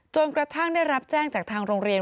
กระทั่งได้รับแจ้งจากทางโรงเรียน